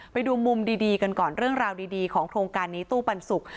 ไปดูมุมดีกันก่อนเรื่องราวดีของโครงการนี้ตู้ปันสุก